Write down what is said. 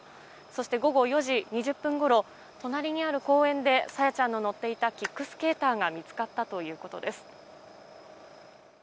そして午後４時２０分ごろ隣にある公園で朝芽ちゃんの乗っていたキックスケーターが見つかったということです。